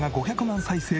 「５００万回再生！？